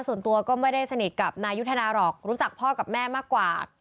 ส่วนตัวก็ไม่ได้สนิทกับนายุทธนาหรอกรู้จักพ่อกับแม่มากกว่า